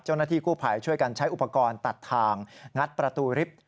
เจ้าหน้าที่กู้ภัยช่วยกันใช้อุปกรณ์ตัดทางงัดประตูริฟท์